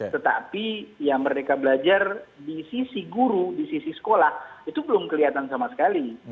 tetapi ya merdeka belajar di sisi guru di sisi sekolah itu belum kelihatan sama sekali